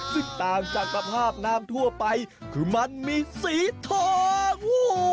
ซึ่งต่างจากสภาพน้ำทั่วไปคือมันมีสีทอง